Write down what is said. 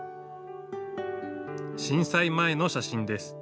震災前の写真です。